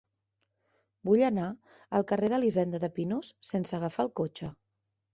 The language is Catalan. Vull anar al carrer d'Elisenda de Pinós sense agafar el cotxe.